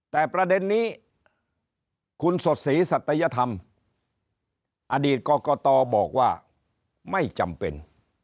แต่ประเด็นนี้คุณสดศรีสัตยธรรมอดีตกรกตบอกว่าไม่จำเป็น